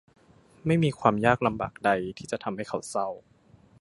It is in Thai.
ไม่มีความยากลำบากใดที่จะทำให้เขาเศร้า